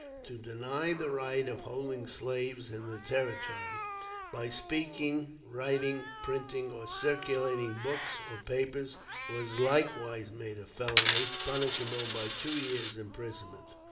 To deny the right of holding slaves in the Territory, by speaking, writing, printing, or circulating books, or papers, was likewise made a felony, punishable by two years' imprisonment.